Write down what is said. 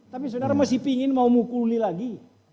tapi saudara masih ingin mau mukuli lagi